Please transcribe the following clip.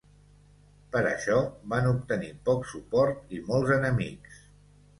Per això, van obtenir poc suport i molts enemics.